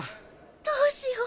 どうしよう。